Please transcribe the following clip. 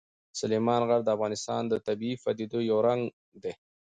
سلیمان غر د افغانستان د طبیعي پدیدو یو رنګ دی.